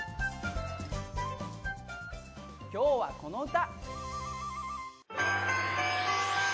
今日はこの歌！